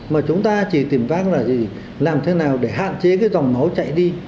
mà chúng ta chỉ tìm pháp là làm thế nào để hạn chế cái dòng máu chạy đi